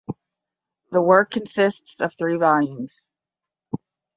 The work consists of three volumes.